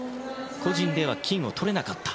個人では金をとれなかった。